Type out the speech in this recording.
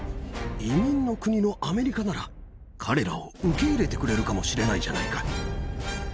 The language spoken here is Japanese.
移民の国のアメリカなら、彼らを受け入れてくれるかもしれないじゃないか。